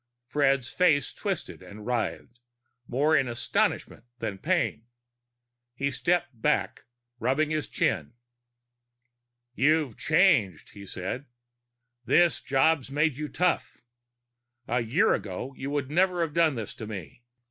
Fred's face twisted and writhed, more in astonishment than pain. He stepped back, rubbing his chin. "You've changed," he said. "This job's made you tough. A year ago you would never have done this to me."